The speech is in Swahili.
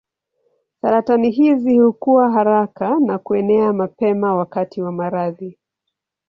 Saratani hizi hukua haraka na kuenea mapema wakati wa maradhi.